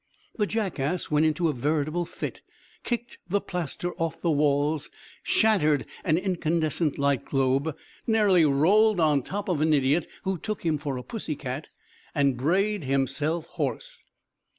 The jackass went into a veritable fit, kicked the plaster off the walls, shattered an incandescent light globe, nearly rolled on top of an idiot who took him for a pussy cat, and brayed himself hoarse.